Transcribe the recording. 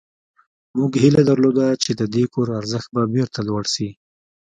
موږ هیله درلوده چې د دې کور ارزښت به بیرته لوړ شي